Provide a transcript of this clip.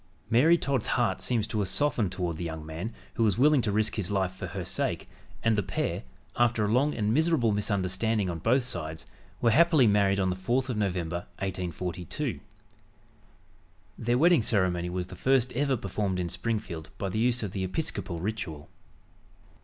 Mary Todd's heart seems to have softened toward the young man who was willing to risk his life for her sake, and the pair, after a long and miserable misunderstanding on both sides, were happily married on the 4th of November, 1842. Their wedding ceremony was the first ever performed in Springfield by the use of the Episcopal ritual.